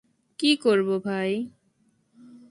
কী করব ভাই!